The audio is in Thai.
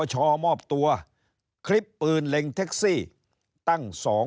หัวร้อน